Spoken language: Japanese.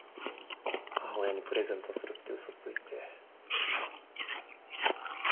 母親にプレゼントするって嘘ついて。